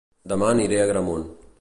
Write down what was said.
Dema aniré a Agramunt